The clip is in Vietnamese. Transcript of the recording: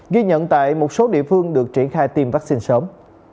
ghi nhận tại một số địa phương được triển khai tiêm vaccine sớm